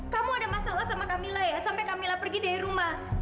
kamu ada masalah sama kamila ya sampai kamila pergi dari rumah